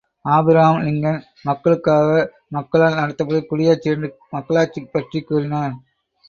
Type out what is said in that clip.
Abraham Lincoln, மக்களுக்காக மக்களால் நடத்தப்படுவது குடியாட்சி என்று மக்களாட்சி பற்றிக் கூறினான்.